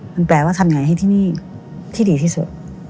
มันแปลว่าทำยังไงให้ที่นี่ที่ดีที่สุด